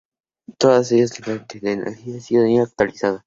Todas ellas con tecnología de sonido actualizada.